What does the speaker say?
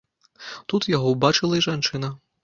Тут яго ўбачыла і жанчына.